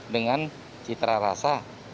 dengan citra rasa